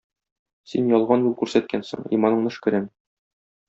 Син ялган юл күрсәткәнсең, иманыңны өшкерәм.